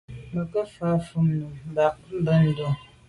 Be ke mfà’ fà’ à num bam s’a be ndô.